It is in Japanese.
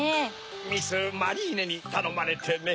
ミス・マリーネにたのまれてね。